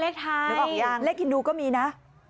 นึกออกยังเลขฮินดูก็มีนะ